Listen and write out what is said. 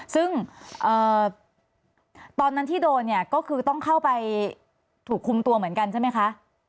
ซึ่งตอนนั้นที่โดนเนี่ยก็คือต้องเข้าไปถูกคุมตัวเหมือนกันใช่ไหมคะ